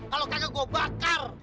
kalau kakak gua bakar